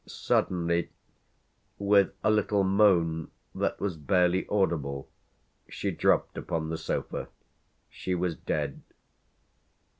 Suddenly, with a little moan that was barely audible, she dropped upon the sofa. She was dead.